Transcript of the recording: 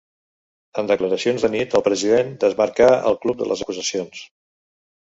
En declaracions d’anit, el president desmarcà el club de les acusacions.